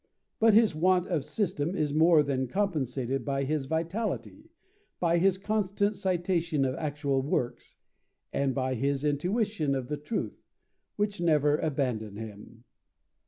But his want of system is more than compensated by his vitality, by his constant citation of actual works, and by his intuition of the truth, which never abandoned him.